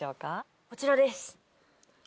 こちらです。